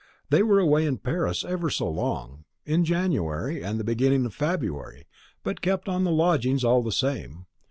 They were away in Paris ever so long, in January and the beginning of February, but kept on the lodgings all the same.